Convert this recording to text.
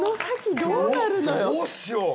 どうしよう！